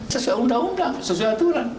sesuai undang undang sesuai aturan